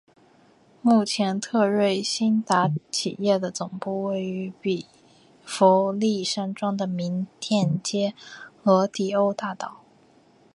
目前特瑞新达企业的总部位于比佛利山庄的名店街罗迪欧大道。